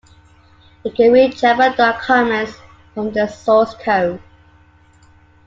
It can read Javadoc comments from the source code.